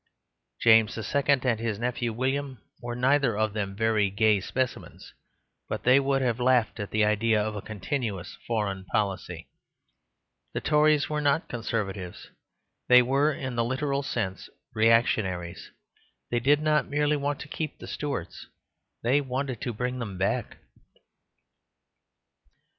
James II. and his nephew William were neither of them very gay specimens; but they would both have laughed at the idea of "a continuous foreign policy." The Tories were not Conservatives; they were, in the literal sense, reactionaries. They did not merely want to keep the Stuarts; they wanted to bring them back.